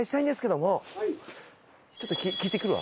ちょっと聞いてくるわ。